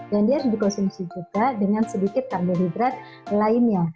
dan dia harus dikonsumsi juga dengan sedikit karbohidrat lainnya